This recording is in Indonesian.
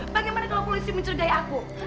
bagaimana kalau polisi mencurigai aku